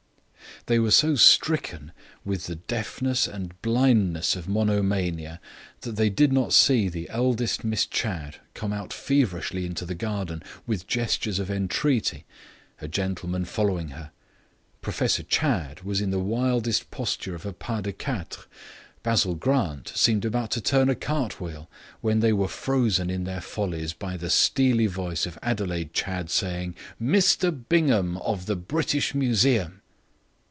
They were so stricken with the deafness and blindness of monomania that they did not see the eldest Miss Chadd come out feverishly into the garden with gestures of entreaty, a gentleman following her. Professor Chadd was in the wildest posture of a pas de quatre, Basil Grant seemed about to turn a cart wheel, when they were frozen in their follies by the steely voice of Adelaide Chadd saying, "Mr Bingham of the British Museum."